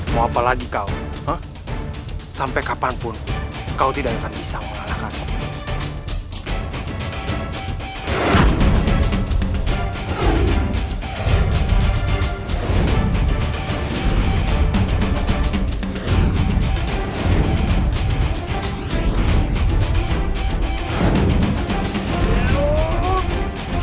mau apa lagi kau sampai kapanpun kau tidak akan bisa mengalahkan aku